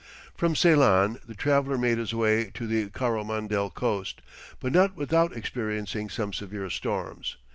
From Ceylon, the traveller made his way to the Coromandel coast, but not without experiencing some severe storms.